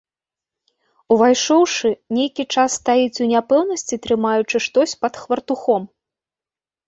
Увайшоўшы, нейкі час стаіць у няпэўнасці, трымаючы штось пад хвартухом.